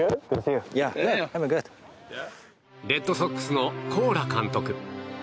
レッドソックスのコーラ監督。